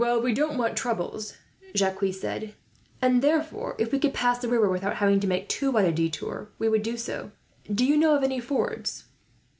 "We don't want troubles," Jacques said, "and therefore, if we could pass the river without having to make too wide a detour, we would do so. Do you know of any fords?"